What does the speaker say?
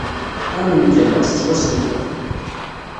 Amen kan, ad tettwasellkeḍ.